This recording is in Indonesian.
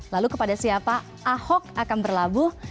lalu kepada siapa ahok akan berlabuh